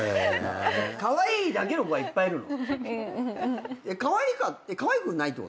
カワイイだけの子はいっぱいいるの。